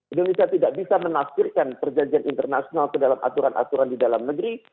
indonesia tidak bisa menafsirkan perjanjian internasional ke dalam aturan aturan di dalam negeri